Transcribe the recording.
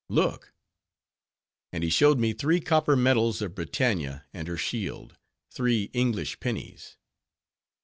"Look!"—and he showed me three copper medals of Britannia and her shield—three English pennies.